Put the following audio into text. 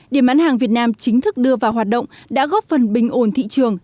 điểm bán hàng việt nam chính thức đưa vào hoạt động đã góp phần bình ổn thị trường